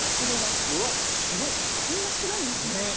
こんな白いんですね。